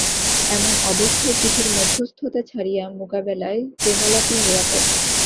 এমন অবস্থায় চিঠির মধ্যস্থতা ছাড়িয়া মোকাবিলায় প্রেমালাপই নিরাপদ।